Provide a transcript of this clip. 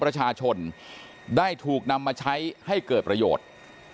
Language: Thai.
ประชาชนได้ถูกนำมาใช้ให้เกิดประโยชน์